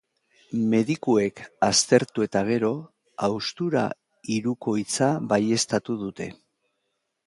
Medikuek, aztertu eta gero, haustura hirukoitza baieztatu dute.